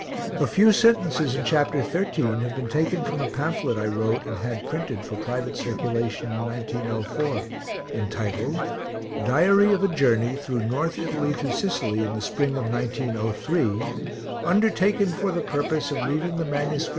A few sentences in Chapter XIII have been taken from a pamphlet I wrote and had printed for private circulation in 1904, entitled: Diary of a Journey through North Italy to Sicily in the spring of 1903, _undertaken for the purpose of leaving the MSS.